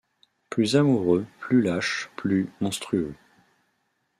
Plus amoureux, plus lâches, plus… monstrueux.